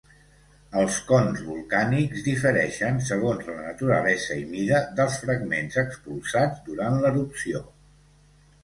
Els cons volcànics difereixen segons la naturalesa i mida dels fragments expulsats durant l'erupció.